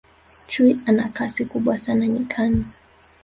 chui ana Kasi kubwa sana nyikani